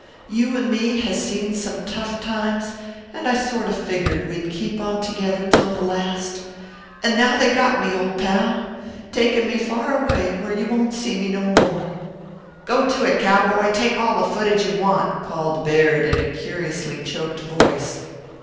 You an' me has seen some tough times an' I sort o' figgered we'd keep on together till the last an' now they got me, old pal, takin' me far away where ye won't see me no more " "Go to it, cowboy take all the footage you want!" called Baird in a curiously choked voice.